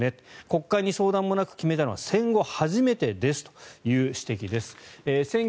国会に相談もなく決めたのは戦後初めてですという指摘です。